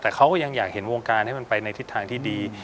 แต่เขาก็ยังอยากเห็นวงการให้มันไปในทิศทางที่ดี